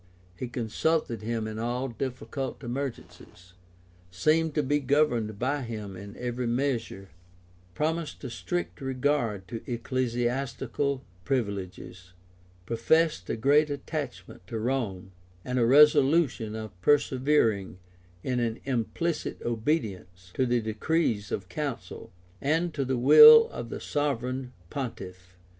He consulted him in all difficult emergencies; seemed to be governed by him in every measure; promised a strict regard to ecclesiastical privileges; professed a great attachment to Rome, and a resolution of persevering in an implicit obedience to the decrees of councils, and to the will of the sovereign pontiff.